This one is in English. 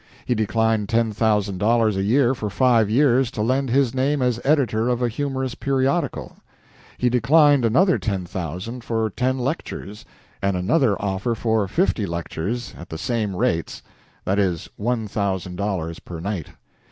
He declined ten thousand dollars a year for five years to lend his name as editor of a humorous periodical. He declined another ten thousand for ten lectures, and another offer for fifty lectures at the same rates that is, one thousand dollars per night.